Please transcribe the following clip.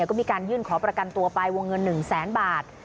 ก็มีการยื่นขอประกันตัวไปวงเงิน๑แสนบาท